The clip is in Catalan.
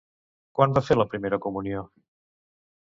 Quan va fer la primera comunió?